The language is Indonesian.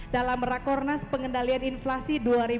dalam rakornas pengendalian inflasi dua ribu dua puluh